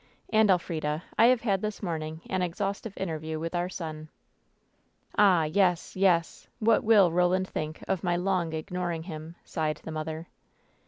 And, Elf rida, I have had this morning an exhaustive interview with our son.'' "Ah, yes ! yes ! What will Roland think of my long ignoring him ?" sighed the mother.